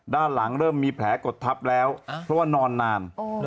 ด้านหลังเริ่มมีแผลกดทับแล้วเพราะว่านอนนาน